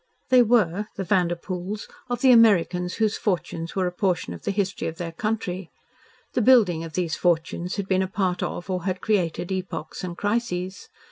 They were the Vanderpoels of the Americans whose fortunes were a portion of the history of their country. The building of these fortunes had been a part of, or had created epochs and crises.